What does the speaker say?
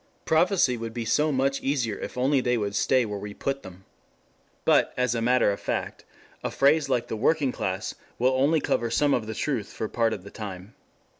Prophecy would be so much easier if only they would stay where we put them. But, as a matter of fact, a phrase like the working class will cover only some of the truth for a part of the time.